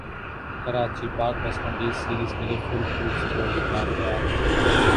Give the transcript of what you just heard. Karachi Pak West Indies series کیلئے foolproof security plan تیار